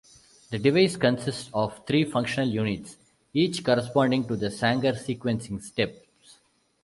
The device consists of three functional units, each corresponding to the Sanger sequencing steps.